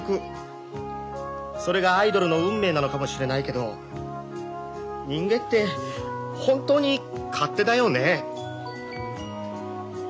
それがアイドルの運命なのかもしれないけど人間って本当に勝手だよね」。